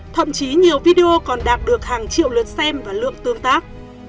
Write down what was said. thậm chí nhiều video còn đạt được hàng triệu lượt xem và lượng tương tác